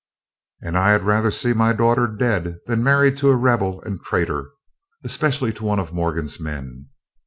"And I had rather see my daughter dead than married to a Rebel and traitor, especially to one of Morgan's men.